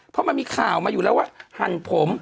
เพราะมันมีข่าวมาอยู่แล้วว่าหั่นผม